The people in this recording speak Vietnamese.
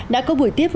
đã có buổi tiếp